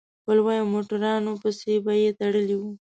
په لویو موټرانو پسې به يې تړلي وو.